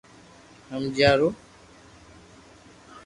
ھمجيا رو